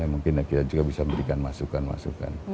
mungkin kita juga bisa memberikan masukan masukan